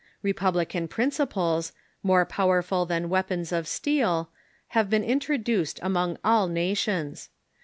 Republican principles, more powerful than weapons of steel, have been introduced among all nations.